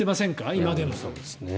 今でも。